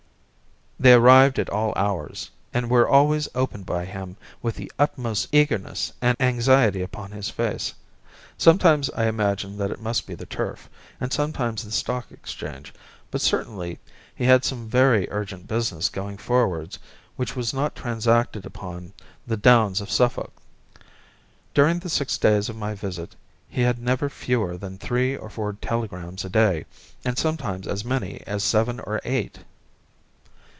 They arrived at all hours, and were always opened by him with the utmost eagerness and anxiety upon his face. Sometimes I imagined that it must be the Turf, and sometimes the Stock Exchange, but certainly he had some very urgent business going forwards which was not transacted upon the Downs of Suffolk. During the six days of my visit he had never fewer than three or four telegrams a day, and sometimes as many as seven or eight.